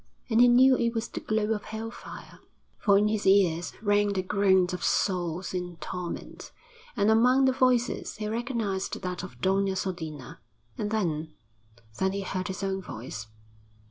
And he knew it was the glow of hell fire, for in his ears rang the groans of souls in torment, and among the voices he recognised that of Doña Sodina, and then then he heard his own voice.